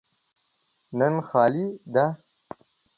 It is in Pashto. نن خالي ده.